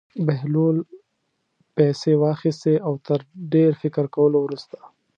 بهلول پېسې واخیستې او تر ډېر فکر کولو وروسته.